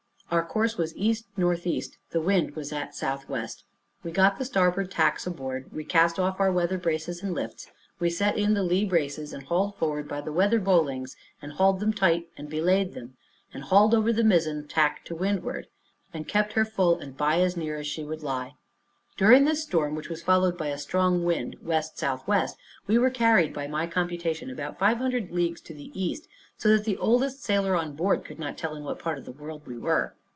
Our course was east northeast, the wind was at southwest. We got the starboard tacks aboard, we cast off our weather braces and lifts; we set in the lee braces, and hauled forward by the weather bowlings, and hauled them tight, and belayed them, and hauled over the mizzen tack to windward, and kept her full and by as near as she would lie. During this storm, which was followed by a strong wind west southwest, we were carried, by my computation, about five hundred leagues to the east, so that the oldest sailor on board could not tell in what part of the world we were.